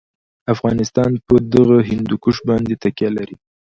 افغانستان په دغه هندوکش باندې تکیه لري.